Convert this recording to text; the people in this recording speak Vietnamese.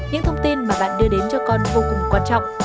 những thông tin mà bạn đưa đến cho con vô cùng quan trọng